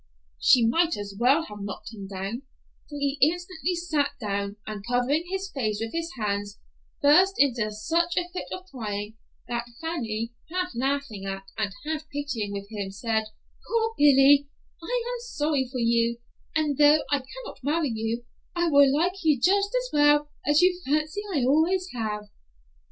'" She might as well have knocked him down, for he instantly sat down, and covering his face with his hands, burst into such a fit of crying that Fanny, half laughing at and half pitying him, said, "Poor Billy, I am sorry for you, and though I cannot marry you, I will like you just as well as you fancy I always have."